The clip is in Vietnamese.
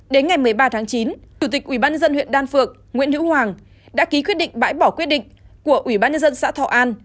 đến ngày một mươi ba tháng chín chủ tịch ubnd huyện đan phượng nguyễn hữu hoàng đã ký quyết định bãi bỏ quyết định của ubnd xã thọ an